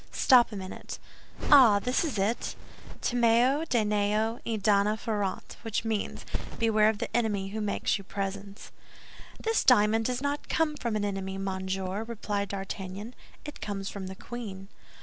Stop a minute—ah, this is it: 'Timeo Danaos et dona ferentes,' which means, 'Beware of the enemy who makes you presents." "This diamond does not come from an enemy, monsieur," replied D'Artagnan, "it comes from the queen."